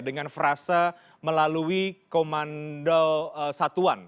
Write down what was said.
dengan frasa melalui komando satuan